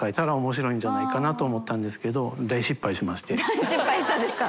大失敗したんですか？